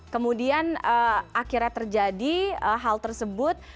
kemudian akhirnya terjadi hal tersebut